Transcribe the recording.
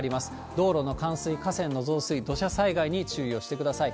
道路の冠水、河川の増水、土砂災害に注意をしてください。